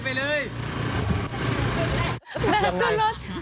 ว่าไง